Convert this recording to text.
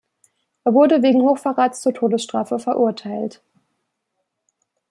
Er wurde wegen Hochverrats zur Todesstrafe verurteilt.